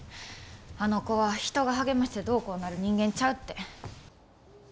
あの子は人が励ましてどうこうなる人間ちゃうって。